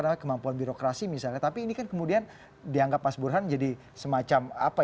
namanya kemampuan birokrasi misalnya tapi ini kemudian dianggap pas burhan jadi semacam apa